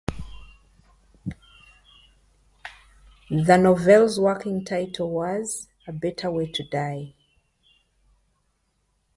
The novel's working title was "A Better Way to Die".